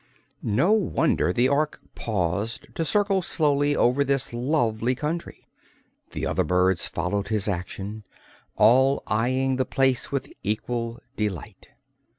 No wonder the Ork paused to circle slowly over this lovely country. The other birds followed his action, all eyeing the place with equal delight.